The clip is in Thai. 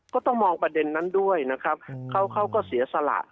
ก็ต้องมองประเด็นนั้นด้วยนะครับเขาก็เสียสละ